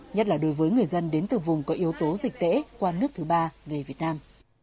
nhất là đối với người dân đến từ vùng có yếu tố dịch tễ qua nước thứ ba về việt nam